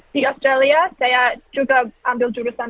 di australia saya juga ambil jurusan